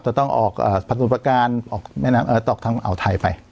ต้องต้องออกอ่าพัฒนธุรการออกแม่น้ำเอ่อต้องออกทางอ่าวไทยไป